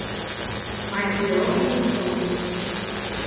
Maar ik heb wel enige twijfels.